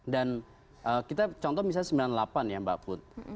dan contoh misalnya sembilan puluh delapan ya mbak put